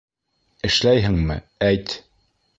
Эшләйһеңме, әйт!